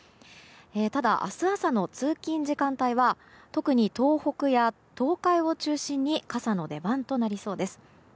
ただ、明日朝の通勤時間帯は特に東北や東海を中心に傘の出番となりそうです。